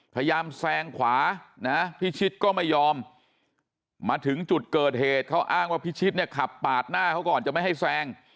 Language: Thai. พยายามแซงขวานะพิชิตก็ไม่ยอมมาถึงจุดเกิดเหตุเขาอ้างว่าพิชิตเนี่ยขับปาดหน้าเขาก่อนจะไม่ให้แซง